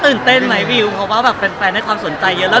ตื่นเต้นไหมวิวเพราะว่าแฟนได้ความสนใจเยอะแล้ว